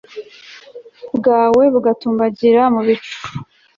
bwawe bugatumbagira mu bicu